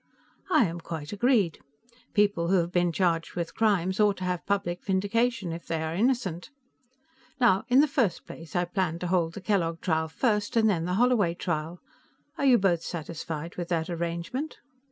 "I am quite agreed. People who have been charged with crimes ought to have public vindication if they are innocent. Now, in the first place, I planned to hold the Kellogg trial first, and then the Holloway trial. Are you both satisfied with that arrangement?"